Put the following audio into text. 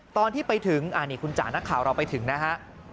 ตอนที่ไปถึงนี่คุณจ๋านักข่าวเราไปถึงนะฮะ